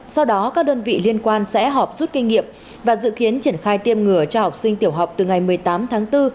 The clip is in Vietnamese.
sau đó các đơn vị liên quan sẽ họp rút kinh nghiệm và dự kiến triển khai tiêm ngừa cho học sinh tiểu học từ ngày một mươi tám tháng bốn